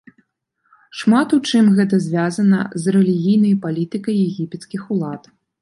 Шмат у чым гэта звязана з рэлігійнай палітыкай егіпецкіх улад.